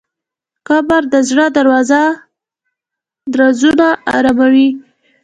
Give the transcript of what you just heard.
قبر د زړه درزونه اراموي.